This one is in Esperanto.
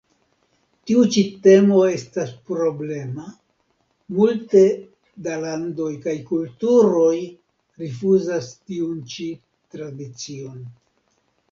Tiu ĉi temo estas problema, multe da landoj kaj kulturoj rifuzas tiun ĉi tradicion.